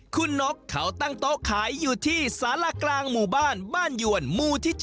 คุณนกเขาตั้งโต๊ะขายอยู่ที่สาระกลางหมู่บ้านบ้านหยวนหมู่ที่๗